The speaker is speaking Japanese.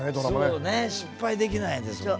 そうよね失敗できないですもんね。